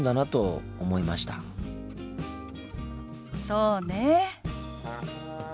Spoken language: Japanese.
そうねえ。